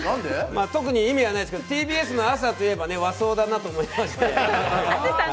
特に意味はないですけどＴＢＳの朝といえば和装だなと思いまして。